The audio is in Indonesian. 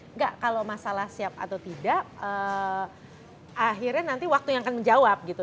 enggak kalau masalah siap atau tidak akhirnya nanti waktu yang akan menjawab gitu